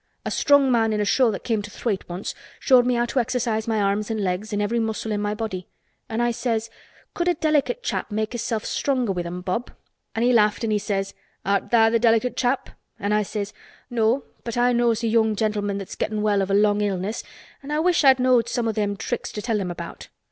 A strong man in a show that came to Thwaite once showed me how to exercise my arms an' legs an' every muscle in my body. An' I says, 'Could a delicate chap make himself stronger with 'em, Bob?' an' he laughed an' says, 'Art tha' th' delicate chap?' an' I says, 'No, but I knows a young gentleman that's gettin' well of a long illness an' I wish I knowed some o' them tricks to tell him about.